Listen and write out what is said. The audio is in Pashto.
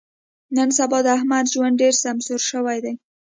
نن سبا د احمد ژوند ډېر سمسور شوی دی.